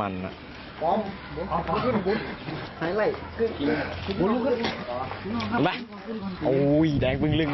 เอาล่ะโอ้ยแดงปึ้งลึ่ง